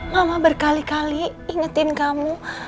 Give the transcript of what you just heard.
mama berkali kali ingetin kamu